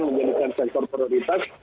menjadikan sektor prioritas